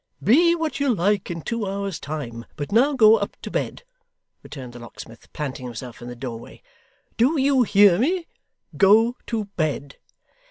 'Be what you like in two hours' time, but now go up to bed,' returned the locksmith, planting himself in the doorway. 'Do you hear me? Go to bed!